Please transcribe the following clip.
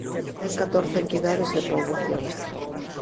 Ten catorce entidades de poboación.